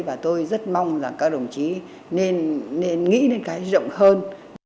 và tôi rất mong rằng các đồng chí nên nghĩ đến cái rộng hơn